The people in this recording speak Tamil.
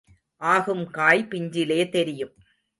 ஆகும் காய் பிஞ்சிலே தெரியும்.